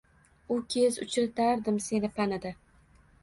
U kez uchratardim seni panada